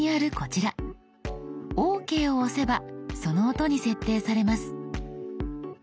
「ＯＫ」を押せばその音に設定されます。